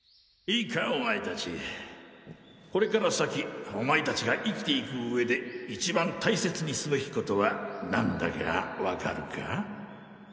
いいかお前たちこれから先お前たちが生きていくうえで一番大切にすべきことは何だかわかるか？